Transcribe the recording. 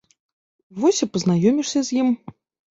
Вось і пазнаёмішся з ім.